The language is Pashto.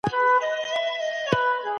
افغان ښځي د نړیوالي ټولني بشپړ ملاتړ نه لري.